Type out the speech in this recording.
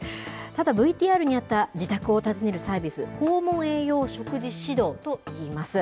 ただ、ＶＴＲにあった自宅を訪ねるサービス、訪問栄養食事指導といいます。